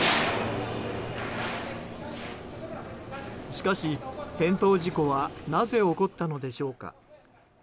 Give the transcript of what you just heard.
しかし、転倒事故はなぜ起こったのでしょうか。